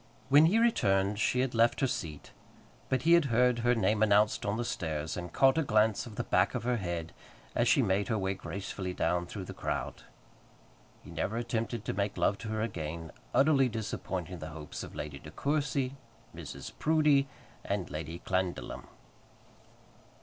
When he returned she had left her seat; but he heard her name announced on the stairs, and caught a glance of the back of her head as she made her way gracefully down through the crowd. He never attempted to make love to her again, utterly disappointing the hopes of Lady De Courcy, Mrs. Proudie, and Lady Clandidlem.